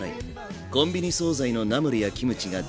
コンビニ総菜のナムルやキムチが大活躍。